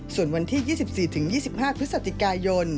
ส่วนวันที่๒๔๒๕พย